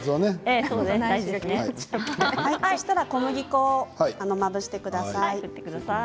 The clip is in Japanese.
そうしたら小麦粉をまぶしてください。